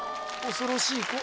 恐ろしい子